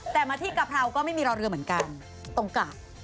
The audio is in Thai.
แต่มาที่กะเพราก็ไม่มีรอเรือเหมือนกันตรงกะ